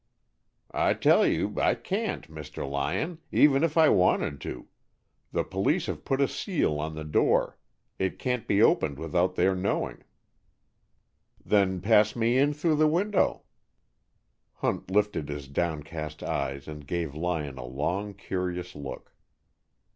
"I tell you I can't, Mr. Lyon, even if I wanted to. The police have put a seal on the door. It can't be opened without their knowing." "Then pass me in through the window." Hunt lifted his downcast eyes and gave Lyon a long, curious look.